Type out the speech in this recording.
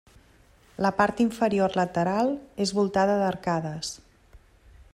La part inferior lateral és voltada d'arcades.